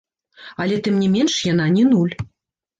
Але тым не менш яна не нуль.